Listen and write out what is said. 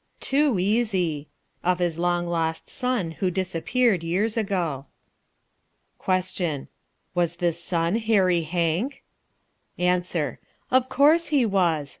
Too easy. Of his long lost son, who disappeared years ago. Question. Was this son Hairy Hank? Answer. Of course he was.